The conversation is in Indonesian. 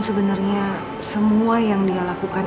sebenarnya semua yang dia lakukan